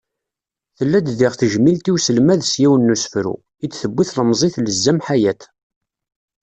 Tella-d diɣ tejmilt i uselmad s yiwen n usefru, i d-tewwi tlemẓit Lezzam Ḥayat.